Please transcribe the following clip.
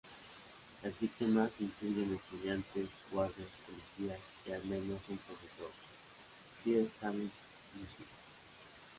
Las víctimas incluyen estudiantes, guardias, policías, y al menos un profesor, Syed Hamid Hussain.